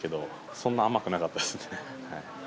そんなに甘くなかったです。